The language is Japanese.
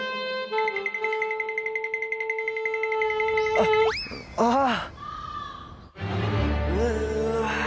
あっああっ！